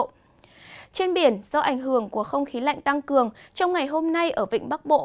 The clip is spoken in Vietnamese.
trên biển do ảnh hưởng của không khí lạnh tăng cường trong ngày hôm nay ở vịnh bắc bộ